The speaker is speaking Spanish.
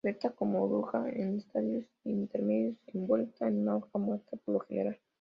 Hiberna como oruga en estadios intermedios, envuelta en una hoja muerta, por lo general.